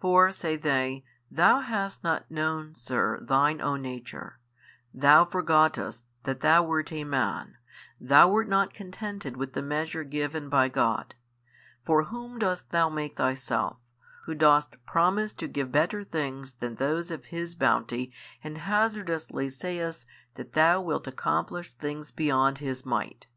For (say they) Thou hast not known, |672 sir, Thine own nature, Thou forgottest that Thou wert a Man, Thou wert not contented with the measure given by God: for whom dost Thou make Thyself, who dost promise to give better things than those of His bounty and hazardously sayest that Thou wilt accomplish things beyond His Might?